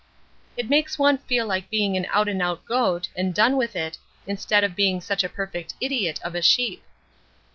It makes one feel like being an out and out goat, and done with it, instead of being such a perfect idiot of a sheep."